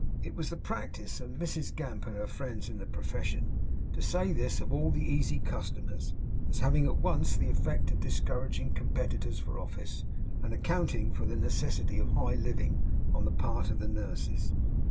It was the practice of Mrs Gamp and her friends in the profession, to say this of all the easy customers; as having at once the effect of discouraging competitors for office, and accounting for the necessity of high living on the part of the nurses.